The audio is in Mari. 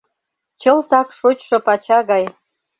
Чылтак шочшо пача гай.